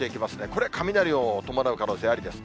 これ、雷を伴う可能性ありです。